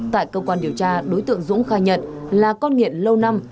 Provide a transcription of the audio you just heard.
tại cơ quan điều tra đối tượng dũng khai nhận là con nghiện lâu năm